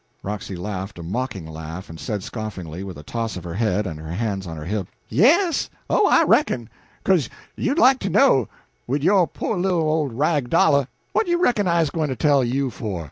Roxy laughed a mocking laugh, and said scoffingly, with a toss of her head, and her hands on her hips "Yes! oh, I reckon! Co'se you'd like to know wid yo' po' little ole rag dollah. What you reckon I's gwine to tell you for?